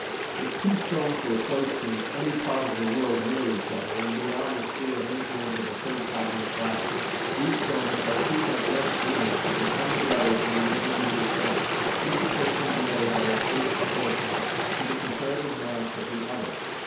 If two stones were placed in any part of the world near each other, and beyond the sphere of influence of a third cognate body, these stones, like two magnetic needles, would come together in the intermediate point, each approaching the other by a space proportional to the comparative mass of the other.